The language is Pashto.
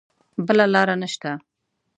بله لاره نه شته.